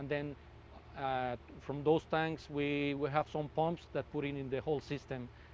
kemudian dari tank itu kita memiliki beberapa pump yang memasang air di seluruh sistem